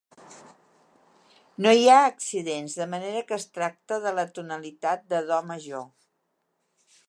No hi ha accidents, de manera que es tracta de la tonalitat de do major.